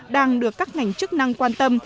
đang được các ngành chức năng quan tâm